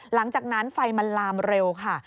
หลังจากนั้นไฟมันลามเร็วค่ะ